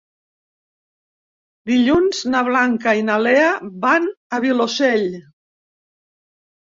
Dilluns na Blanca i na Lea van al Vilosell.